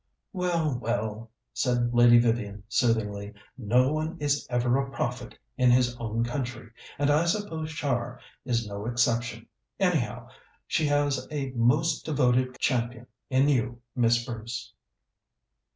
"Well, well," said Lady Vivian soothingly. "No one is ever a prophet in his own country, and I suppose Char is no exception. Anyhow, she has a most devoted champion in you, Miss Bruce."